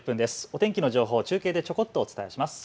お天気の情報を中継でちょこっとお伝えします。